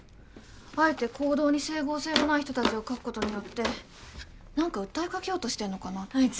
あえて行動に整合性のない人たちを描くことによって何か訴えかけようとしてるのかなって。